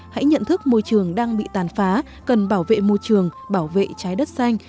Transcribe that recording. hãy nhận thức môi trường đang bị tàn phá cần bảo vệ môi trường bảo vệ trái đất xanh